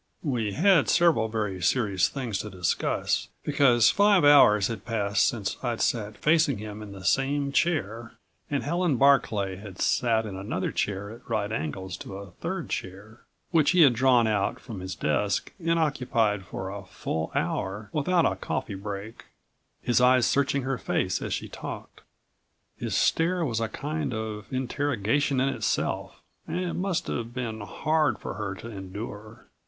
We had several very serious things to discuss, because five hours had passed since I'd sat facing him in the same chair and Helen Barclay had sat in another chair at right angles to a third chair, which he had drawn out from his desk and occupied for a full hour without a coffee break, his eyes searching her face as she talked. His stare was a kind of interrogation in itself, and it must have been hard for her to endure.